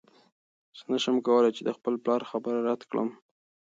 زه نشم کولی چې د خپل پلار خبره رد کړم.